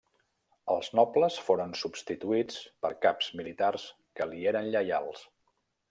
Els nobles foren substituïts per caps militars que li eren lleials.